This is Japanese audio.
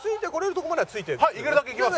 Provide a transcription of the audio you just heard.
はい行けるだけ行きます。